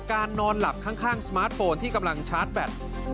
นอนหลับข้างสมาร์ทโฟนที่กำลังชาร์จแบต